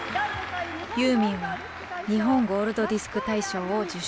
ユーミンは日本ゴールドディスク大賞を受賞。